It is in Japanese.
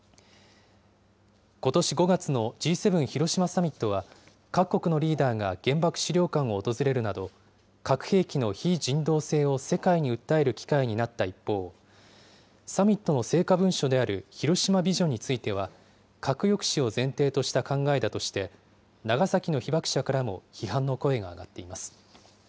ことし５月のＧ７広島サミットは、各国のリーダーが原爆資料館を訪れるなど、核兵器の非人道性を世界に訴える機会になった一方、サミットの成果文書である広島ビジョンについては、核抑止を前提とした考えだとして、長崎の被爆者からも批判の声が上がっています。